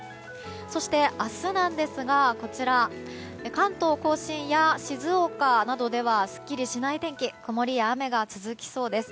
そして明日なんですが関東・甲信や静岡などではすっきりしない天気曇りや雨が続きそうです。